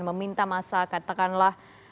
meminta masa katakanlah